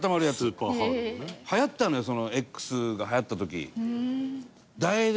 はやったのよＸがはやった時。